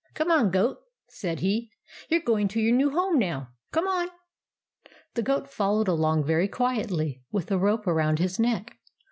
" Come on, Goat !" said he. " You 're going to your new home now. Come on!" The goat followed along very quietly, with the rope around his neck.